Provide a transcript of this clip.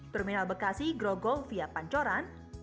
terminal bekasi grogol via pancoran